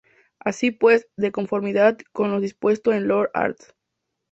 Así pues, de conformidad con lo dispuesto en los arts.